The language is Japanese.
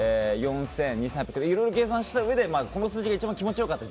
いろいろ計算したうえでこの数字が一番気持ちよかった、